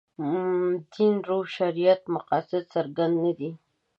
دین روح شریعت مقاصد څرګند نه دي.